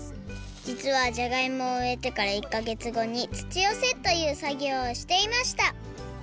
じつはじゃがいもをうえてから１かげつごにつちよせというさぎょうをしていました。